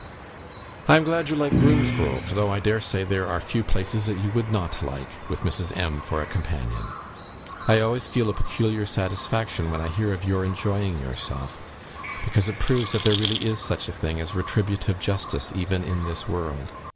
I am glad you like Broomsgrove, though, I dare say, there are few places you would not like, with Mrs. M. for a companion. I always feel a peculiar satisfaction when I hear of your enjoying yourself, because it proves that there really is such a thing as retributive justice even in this world.